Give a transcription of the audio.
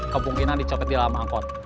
kemungkinan dicopet di dalam angkot